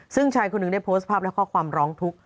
ซึ่งชายคนหนึ่งได้โพสต์ภาพและข้อความร้องทุกข์